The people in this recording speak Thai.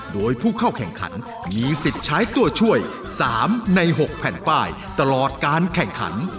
โดยผู้เข้าแข่งขันมีสิทธิ์ใช้ตัวช่วย๓ใน๖แผ่นป้ายตลอดการแข่งขัน